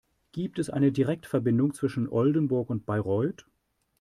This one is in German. Gibt es eine Direktverbindung zwischen Oldenburg und Bayreuth?